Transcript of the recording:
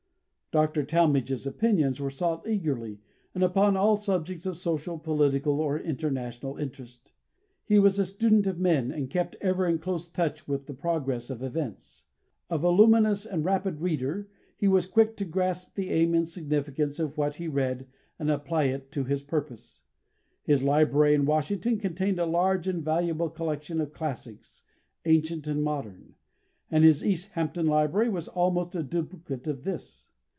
Dr. Talmage's opinions were sought eagerly, and upon all subjects of social, political, or international interest. He was a student of men, and kept ever in close touch with the progress of events. A voluminous and rapid reader, he was quick to grasp the aim and significance of what he read and apply it to his purpose. His library in Washington contained a large and valuable collection of classics, ancient and modern; and his East Hampton library was almost a duplicate of this.